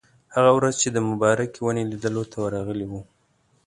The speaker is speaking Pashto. هغه ورځ چې د مبارکې ونې لیدلو ته ورغلي وو.